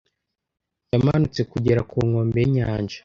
yamanutse kugera ku nkombe y'inyanja.